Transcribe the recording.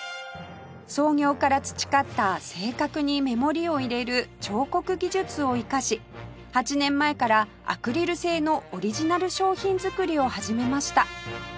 創業から培った正確に目盛りを入れる彫刻技術を生かし８年前からアクリル製のオリジナル商品作りを始めました